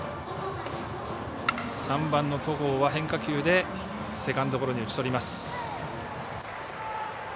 ３番の都甲は変化球でセカンドゴロに打ち取ります。